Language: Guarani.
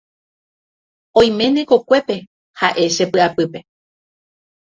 oiméne kokuépe ha'e che py'apýpe